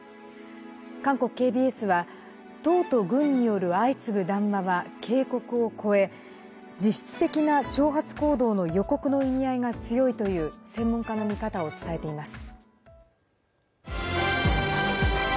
韓国ＫＢＳは党と軍による相次ぐ談話は警告を超え実質的な挑発行動の予告の意味合いが強いという専門家の見方を伝えています。